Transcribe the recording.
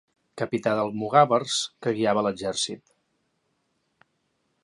Capità d'almogàvers que guiava l'exèrcit.